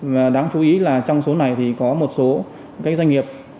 và đáng chú ý là trong số này thì có một số doanh nghiệp